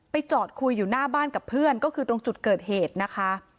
จอดคุยอยู่หน้าบ้านกับเพื่อนก็คือตรงจุดเกิดเหตุนะคะ